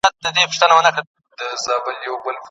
همکاري د نېکمرغۍ او بریا یو مهم راز دی.